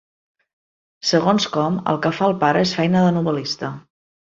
Segons com, el que fa el pare és feina de novel·lista.